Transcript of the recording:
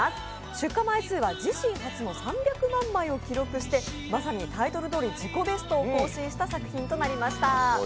出荷枚数は自身初の３００万枚を更新してまさにタイトルどおり自己ベストを更新した作品となりました。